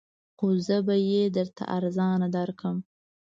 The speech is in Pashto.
خو زه به یې درته ارزانه درکړم